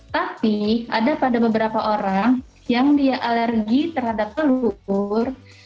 tapi ada pada beberapa orang yang dia alergi terhadap telur